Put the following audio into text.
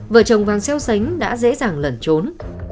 vợ chồng vang xéo sánh đã dễ dàng lẩn trốn